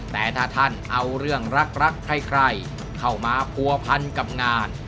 แต่ถ้าท่านเอาเรื่องรักใครเข้ามาผัวพันกับงาน